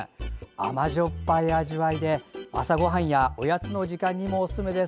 甘じょっぱい味わいで朝ごはんやおやつの時間にもおすすめです。